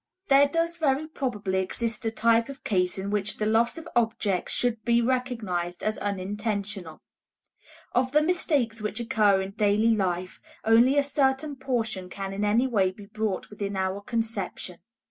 There does very probably exist a type of case in which the loss of objects should be recognized as unintentional. Of the mistakes which occur in daily life, only a certain portion can in any way be brought within our conception.